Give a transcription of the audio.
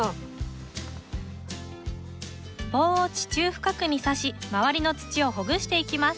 棒を地中深くにさし周りの土をほぐしていきます。